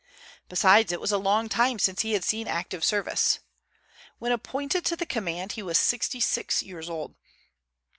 Besides, it was a long time since he had seen active service. When appointed to the command he was sixty six years old.